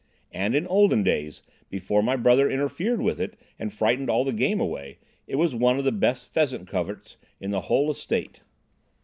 And in olden days, before my brother interfered with it and frightened all the game away, it was one of the best pheasant coverts on the whole estate."